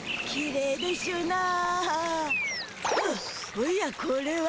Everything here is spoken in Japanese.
おやこれは？